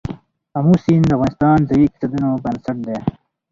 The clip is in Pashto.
آمو سیند د افغانستان د ځایي اقتصادونو بنسټ دی.